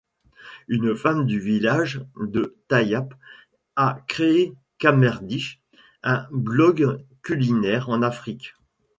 Une femme du village de Tayap a créé Camerdish, un blog culinaire en Afrique.